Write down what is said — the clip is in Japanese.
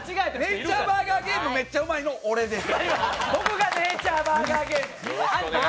「ネイチャーバーガーゲーム」がめっちやうまいのは俺です。